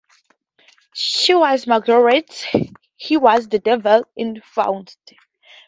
She was Marguerite, he was the devil in "Faust".